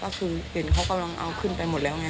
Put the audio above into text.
ก็คือเห็นเขากำลังเอาขึ้นไปหมดแล้วไง